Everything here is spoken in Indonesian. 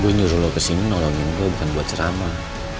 gue nyuruh lo kesini nolongin gue bukan buat ceramah